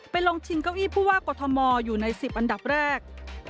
ลงชิงเก้าอี้ผู้ว่ากอทมอยู่ใน๑๐อันดับแรก